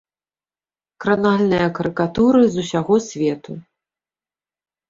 Кранальныя карыкатуры з усяго свету.